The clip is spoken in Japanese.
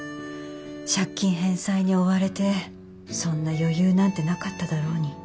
借金返済に追われてそんな余裕なんてなかっただろうに。